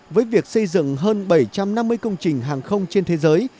với việc xây dựng hơn bảy trăm năm mươi công trình hàng không trên thế giới